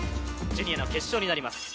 ジュニアの決勝になります。